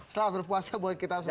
selamat berpuasa buat kita semua